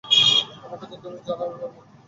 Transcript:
আমাকে তো তুমি জান, আমি ভারি মূর্খ।